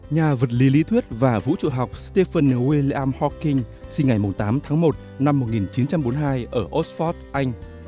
nhà vật lý lý thuyết và vũ trụ học stephen william hawking sinh ngày tám tháng một năm một nghìn chín trăm bốn mươi hai ở oxford anh